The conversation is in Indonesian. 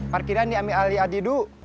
parkiran diambil alia didu